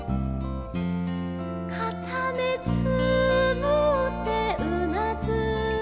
「かためつむってうなずいた」